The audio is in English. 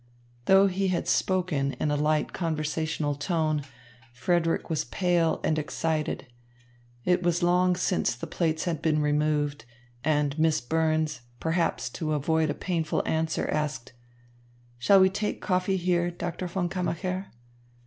Though he had spoken in a light conversational tone, Frederick was pale and excited. It was long since the plates had been removed, and Miss Burns, perhaps to avoid a painful answer, asked: "Shall we take coffee here, Doctor von Kammacher?"